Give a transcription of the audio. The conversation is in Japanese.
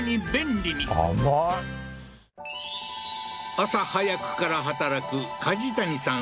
朝早くから働く梶谷さん